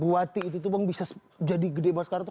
buati itu tuh bang bisa jadi gede banget sekarang tuh